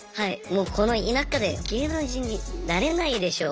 もうこの田舎で芸能人になれないでしょみたいな感じで。